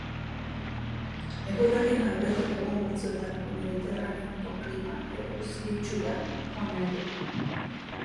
Eguberrien aurretik egun batzuetarako Mediterraneoko klima eguzkitsura joan nahi dugu.